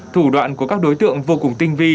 thủ đoạn của các đối tượng vô cùng tinh vi